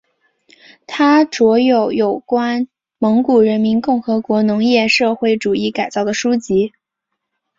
他着有有关蒙古人民共和国农业社会主义改造的书籍。